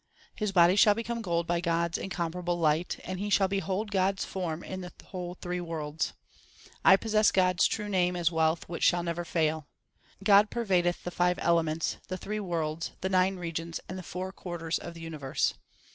His body shall become gold by God s incomparable light, And he shall behold God s form in the whole three worlds. I possess God s true name as wealth which shall never fail. God pervadeth the five elements, the three worlds, the nine regions, and the four quarters of the universe.